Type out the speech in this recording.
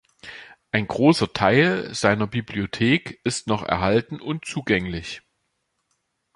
Ein großer Teil seiner Bibliothek ist noch erhalten und zugänglich.